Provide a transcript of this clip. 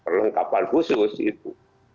perlengkapan khusus itu